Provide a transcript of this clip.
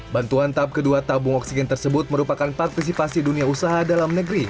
bantuan tahap kedua tabung oksigen tersebut merupakan partisipasi dunia usaha dalam negeri